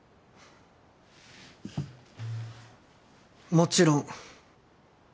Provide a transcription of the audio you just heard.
もちろん。